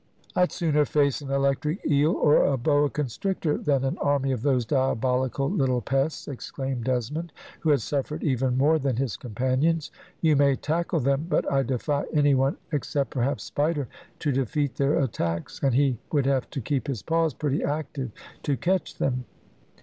"I'd sooner face an electric eel, or a boa constrictor, than an army of those diabolical little pests," exclaimed Desmond, who had suffered even more than his companions; "you may tackle them, but I defy any one except perhaps Spider, to defeat their attacks, and he would have to keep his paws pretty active to catch them."